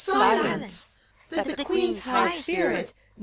silence! That the Queen's high spirit.